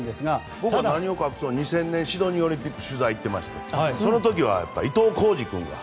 僕は何を隠そう２０００年シドニーオリンピックに取材していましてその時は伊東浩司君が。